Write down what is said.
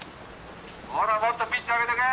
ほらもっとピッチ上げてけ！